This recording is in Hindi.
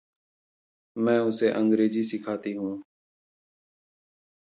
मैं उसे अंग्रेज़ी सिखाती हूँ।